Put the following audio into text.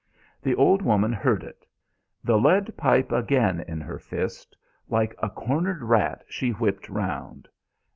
The old woman heard it. The lead pipe again in her fist, like a cornered rat she whipped round.